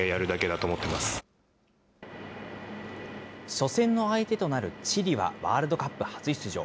初戦の相手となるチリはワールドカップ初出場。